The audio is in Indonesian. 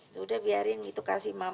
sudah biarin itu kasih mama aja